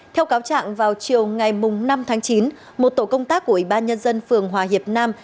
theo cáo trạng vào chiều ngày năm tháng chín một tổ công tác của ủy ban nhân dân phường hòa hiệp nam